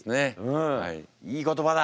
いい言葉だ！